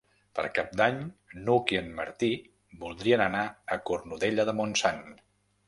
Per Cap d'Any n'Hug i en Martí voldrien anar a Cornudella de Montsant.